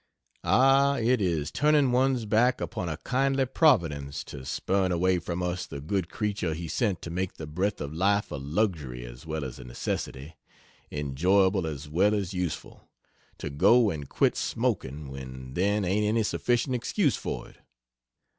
Ah, it is turning one's back upon a kindly Providence to spurn away from us the good creature he sent to make the breath of life a luxury as well as a necessity, enjoyable as well as useful, to go and quit smoking when then ain't any sufficient excuse for it!